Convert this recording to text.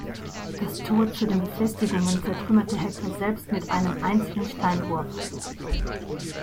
Das Tor zu den Befestigungen zertrümmert Hektor selbst mit einem einzigen Steinwurf.